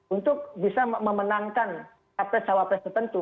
untuk bisa memenangkan capres cak wapres tertentu